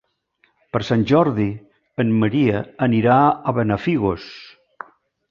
Per Sant Jordi en Maria anirà a Benafigos.